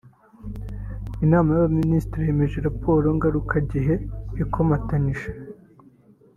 Inama y’Abaminisitiri yemeje Raporo Ngarukagihe ikomatanyije